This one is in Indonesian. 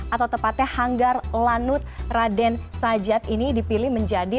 atau tepatnya hanggar lanut raden sajat ini dipilih menjadi